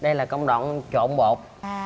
đây là công đoạn trộn bột